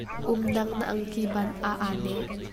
Umnaang na angki ban ah aa neh.